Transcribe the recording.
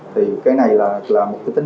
thì cái này là một tính hiệu